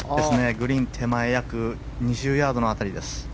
グリーン手前約２０ヤードの辺りです。